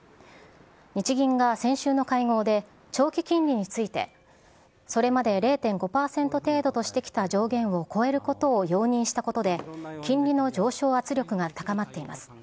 日銀が先週の会合で長期金利について、それまで０．５％程度としてきた上限を超えることを容認したことで、金利の上昇圧力が高まっています。